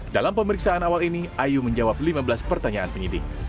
dalam pemeriksaan awal ini ayu menjawab lima belas pertanyaan penyidik